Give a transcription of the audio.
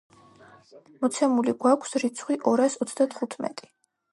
მოცემული გვაქვს რიცხვი ორას ოცდათხუთმეტი.